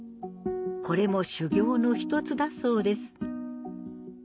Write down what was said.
これも修行の一つだそうです